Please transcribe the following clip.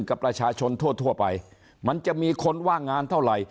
กับประชาชนทั่วไปมันจะมีคนว่างงานเท่าไหร่